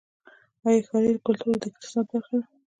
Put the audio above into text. آیا ښاري کلتور د اقتصاد برخه ده؟